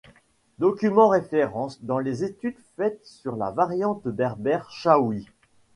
Document référence dans les études faites sur la variante berbère chaouie.